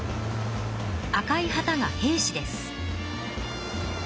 赤い旗が平氏です。